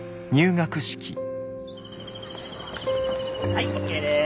はいＯＫです。